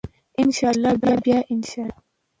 ان شاء الله بیا ان شاء الله.